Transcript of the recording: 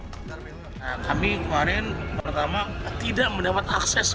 kami kemarin pertama tidak mendapat akses